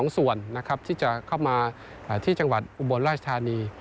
๒ส่วนนะครับที่จะเข้ามาที่จังหวัดอุบลราชธานี